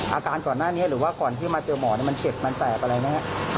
อาการก่อนหน้านี้หรือว่าก่อนที่มาเจอหมอมันเจ็บมันแสบอะไรไหมครับ